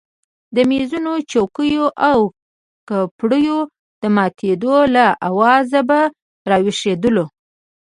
د مېزونو چوکیو او کپړیو د ماتېدو له آوازه به راویښېدلو.